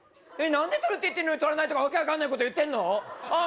とるって言ってんのにとらないとか訳分かんないこと言ってんのああ